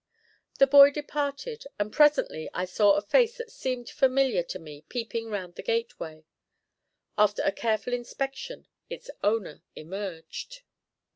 The boy departed, and presently I saw a face that seemed familiar to me peeping round the gateway. After a careful inspection its owner emerged.